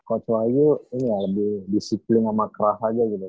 coach wahyu ini ya lebih disiplin sama keras aja gitu